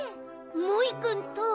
モイくんと。